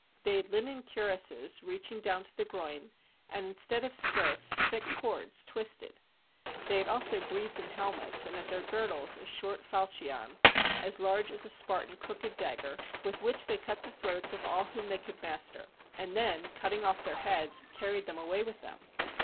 They had linen cuirasses, reaching down to the groin, and, instead of skirts, thick cords twisted. They had also greaves and helmets, and at their girdles a short faulchion, as large as a Spartan crooked dagger, with which they cut the throats of all whom they could mas^ ter, and then, cutting off their heads, carried them away with them.